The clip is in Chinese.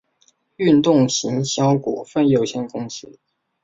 运动行销股份有限公司